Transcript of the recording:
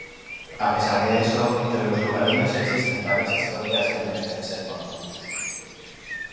A pesar de eso, entre los lugareños existen varias historias que merecen ser conocidas.